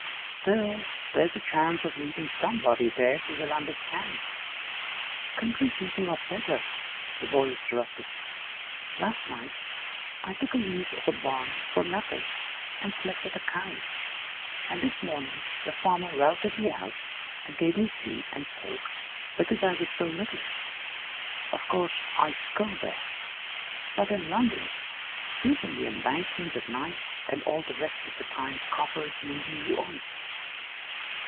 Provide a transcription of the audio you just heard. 'Still, there's the chance of meeting somebody there who will understand√¢‚Ç¨‚Äù' 'Country people are better,' the boy interrupted. 'Last night I took a lease of a barn for nothing and slept with the cows, and this morning the farmer routed me out and gave me tea and toke because I was so little. Of course, I score there; but in London, soup on the Embankment at night, and all the rest of the time coppers moving you on.